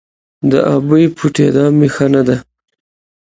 – ابۍ! پټېدا مې ښه نه ده.